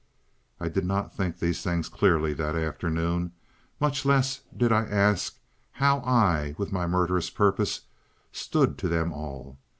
I did not think these things clearly that afternoon. Much less did I ask how I, with my murderous purpose, stood to them all.